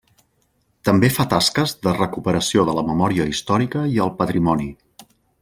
També fa tasques de recuperació de la memòria històrica i el patrimoni.